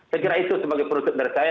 saya kira itu sebagai produk dari saya